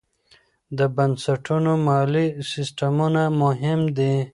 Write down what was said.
د بنسټونو مالي تصمیمونه مهم دي.